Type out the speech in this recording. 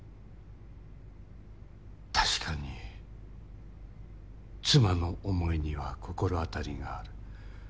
確かに妻の想いには心当たりがある。